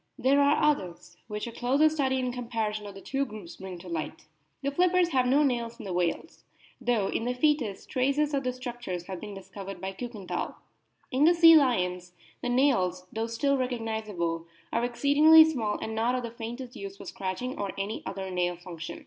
There are others, which a closer study and comparison of the two groups bring to light. The flippers have no nails in the whales, though in the foetus traces of the structures o have been discovered by Kiikenthal. In the sea lions the nails, though still recognisable, are exceedingly small, and not of the faintest use for scratching or any other nail function.